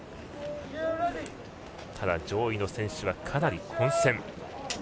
ただ上位の選手は、かなり混戦。